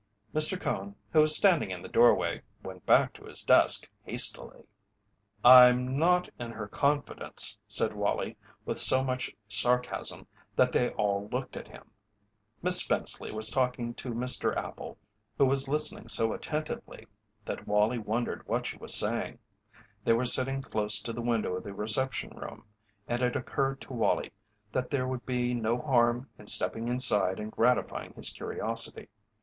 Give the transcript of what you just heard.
Mr. Cone, who was standing in the doorway, went back to his desk hastily. "I'm not in her confidence," said Wallie with so much sarcasm that they all looked at him. Miss Spenceley was talking to Mr. Appel, who was listening so attentively that Wallie wondered what she was saying. They were sitting close to the window of the reception room and it occurred to Wallie that there would be no harm in stepping inside and gratifying his curiosity.